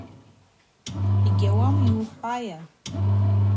Йгьауам йухӏвауа.